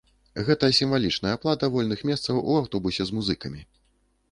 Гэта сімвалічная аплата вольных месцаў у аўтобусе з музыкамі.